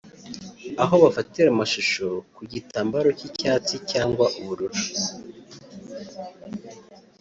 aho bafatira amashusho ku gitambaro cy’icyatsi cyangwa ubururu